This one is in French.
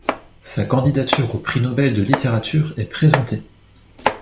Sa candidature au Prix Nobel de littérature est présentée.